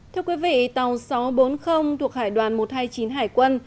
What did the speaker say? thưa quý vị tàu sáu trăm bốn mươi thuộc hải đoàn một trăm hai mươi chín hải quân